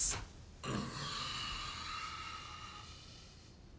うん。